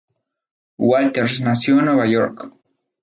Walters nació en Nueva York.